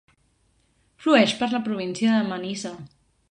Flueix per la Província de Manisa.